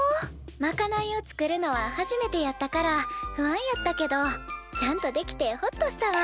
まかないを作るのは初めてやったから不安やったけどちゃんとできてホッとしたわ。